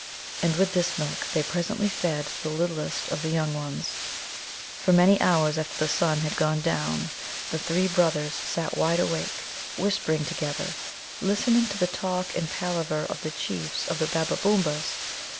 And with this milk they presently fed the littlest of the young ones. For many hours after the sun had gone down the three brothers sat wide awake, whispering together, listening to the talk and palaver of the chiefs of the Babbabōōmas.